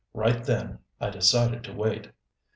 Right then I decided to wait.